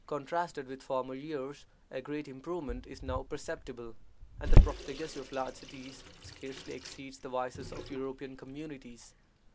Contrasted with former years, a great improvement is now perceptible, and the profligacy of large cities scarcely exceeds the vices of European communities.